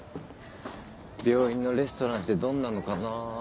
病院のレストランってどんなのかな。